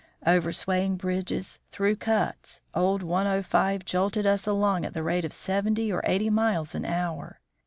Over swaying bridges, through cuts, old 105 jolted us along at the rate of seventy or eighty miles an hour.